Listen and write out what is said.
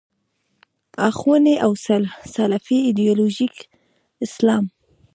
اخواني او سلفي ایدیالوژیک اسلام.